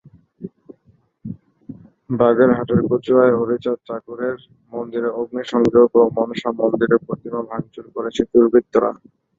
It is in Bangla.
বাগেরহাটের কচুয়ায় হরিচাঁদ ঠাকুরের মন্দিরে অগ্নিসংযোগ এবং মনসামন্দিরে প্রতিমা ভাঙচুর করেছে দুর্বৃত্তরা।